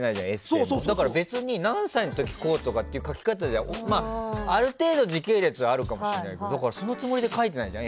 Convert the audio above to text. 別に何歳の時にこうとか書き方じゃある程度時系列はあるかもしれないけどそのつもりで書いてないじゃん。